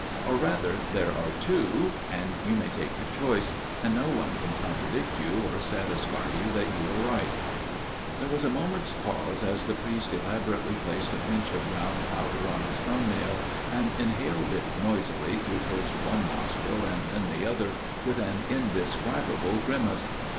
Or rather there are two, and you may take your choice, and no one can contradict you or satisfy you that you are right." There was a moment's pause as the priest elaborately placed a pinch of brown powder on his thumb nail and inhaled it noisily through first one nostril and then the other, with an indescribable grimace.